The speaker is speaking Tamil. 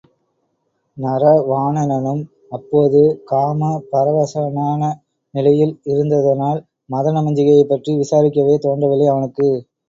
நரவாணனும் அப்போது காமப்பரவசனான நிலையில் இருந்ததனால், மதனமஞ்சிகையைப் பற்றி விசாரிக்கவே தோன்றவில்லை அவனுக்கு!